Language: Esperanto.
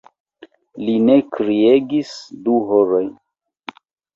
Li ne kriegis du horojn!